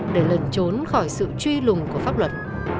để lần trốn khỏi sự truy lùng của pháp luật